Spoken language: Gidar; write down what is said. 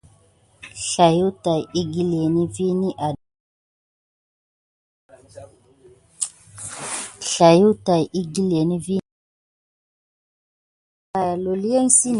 Slaywa tät wukiləŋe vini a dasaku ɗiɗa.